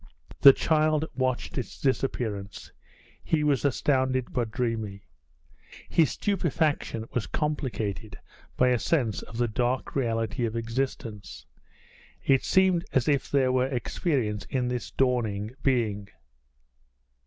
The child watched its disappearance he was astounded but dreamy. His stupefaction was complicated by a sense of the dark reality of existence. It seemed as if there were experience in this dawning being.